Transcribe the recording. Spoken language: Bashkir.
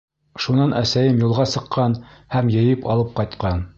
Шунан әсәйем юлға сыҡҡан һәм йыйып алып ҡайтҡан.